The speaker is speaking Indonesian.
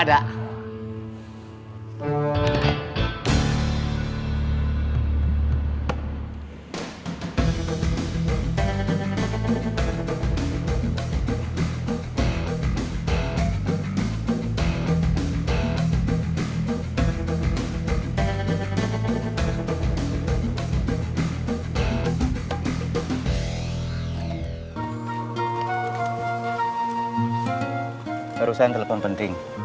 gap cuisine ya teman